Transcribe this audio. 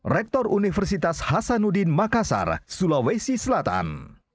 rektor universitas hasanuddin makassar sulawesi selatan